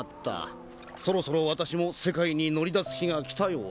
そろそろわたしも世界に乗り出す日が来たようだ。